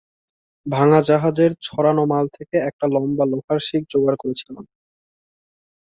ভাঙা জাহাজের ছড়ানো মাল থেকে একটা লম্বা লোহার শিক জোগাড় করেছিলাম।